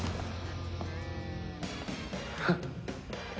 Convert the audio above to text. フッ。